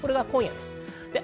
今夜です。